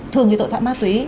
thường như tội phạm ma túy